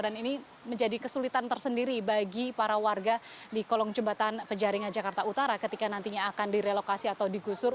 dan ini menjadi kesulitan tersendiri bagi para warga di kolong jembatan penjaringan jakarta utara ketika nantinya akan direlokasi atau digusur